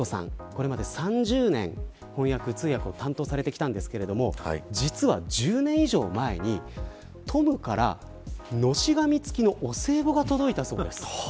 これまで３０年翻訳、通訳を担当されてきたんですが実は、１０年以上前にトムからのし紙付きのお歳暮が届いたそうです。